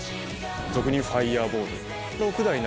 俗にいうファイヤーボール。